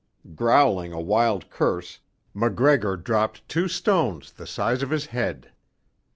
Growling a wild curse, MacGregor dropped two stones the size of his head.